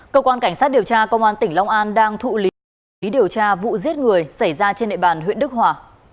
cơ quan cảnh sát điều tra công an tỉnh long an đang thụ lý điều tra vụ giết người xảy ra trên nệ bàn huyện đức hòa